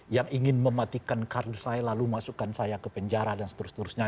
yang ingin mematikan kardus saya lalu masukkan saya ke penjara dan seterusnya